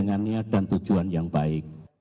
dengan niat dan tujuan yang baik